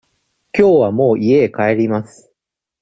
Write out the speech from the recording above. きょうはもう家へ帰ります。